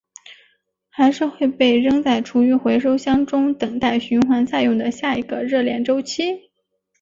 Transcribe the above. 还是会被扔在厨余回收箱中等待循环再用的下一个热恋周期？